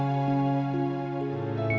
dan jangan lupa subscribe ya